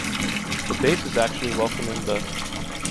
The base is actually welcoming the.